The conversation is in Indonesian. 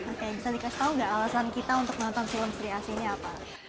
oke bisa dikasih tahu nggak alasan kita untuk menonton film sri asi ini apa